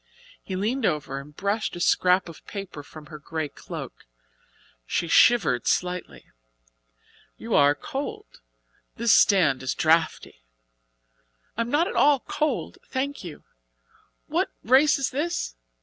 He leaned over and brushed a scrap of paper from her grey cloak. She shivered slightly. "You are cold! This stand is draughty." "I am not at all cold, thank you. What race is this?